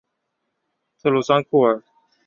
特鲁桑库尔。